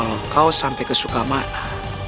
kalau kau sampai kesukaan mana